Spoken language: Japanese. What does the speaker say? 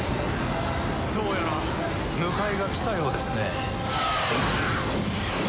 どうやら迎えが来たようですね。